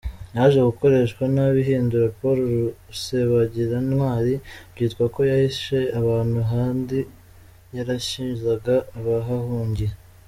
Yaje gukoreshwa nabi ihindura Paul Rusesabagina intwari, byitwa ko yahishe abantu kandi yarishyuzaga abahahungiye.